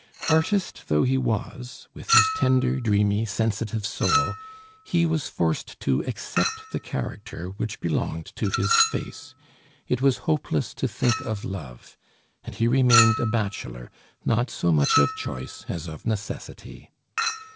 Artist though he was, with his tender, dreamy, sensitive soul, he was forced to accept the character which belonged to his face; it was hopeless to think of love, and he remained a bachelor, not so much of choice as of necessity.